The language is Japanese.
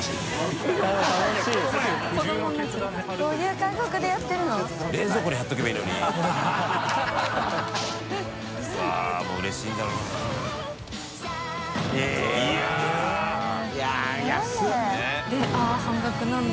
あっ半額なんだ。